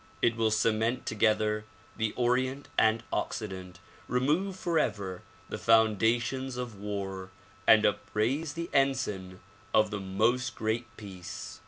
It will cement together the Orient and Occident, remove forever the foundations of war and upraise the ensign of the '' Most Great Peace."